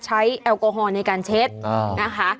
แอลกอฮอลในการเช็ดนะคะ